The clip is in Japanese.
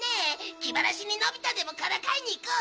気晴らしにのび太でもからかいに行こうよ。